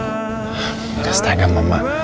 ia setengah mama